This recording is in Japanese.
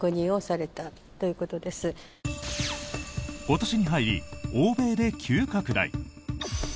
今年に入り欧米で急拡大。